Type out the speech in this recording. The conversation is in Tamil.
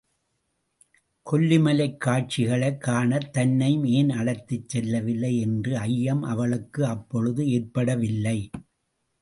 கொல்லிமலைக் காட்சிகளைக் காணத் தன்னையும் ஏன் அழைத்துச் செல்லவில்லை என்ற ஐயம் அவளுக்கு அப்பொழுது ஏற்படவில்லை.